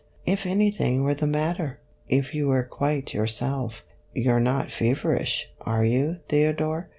" If anything were the matter ; if you were quite yourself. You 're not feverish, are you, Theodore